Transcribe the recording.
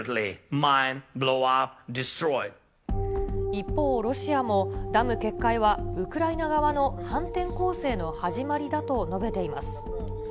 一方、ロシアもダム決壊はウクライナ側の反転攻勢の始まりだと述べています。